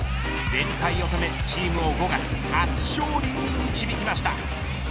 連敗を止めチームを５月初勝利に導きました。